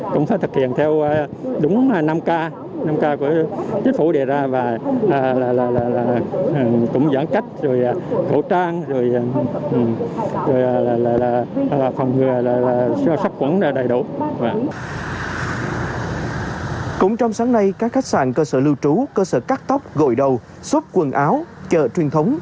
cũng trong sáng nay các khách sạn cơ sở lưu trú cơ sở cắt tóc gội đầu xốp quần áo chợ truyền thống